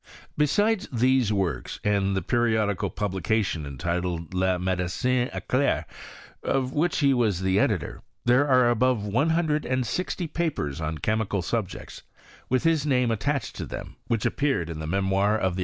Besides these works, and the periodical pubHca* tion entitled " Le Medecin eclaire," of which he waa the editor, there are above one hundred and sixty papers onchemical subjects, with his name attached 10 them, which appeared in the Memoirs of the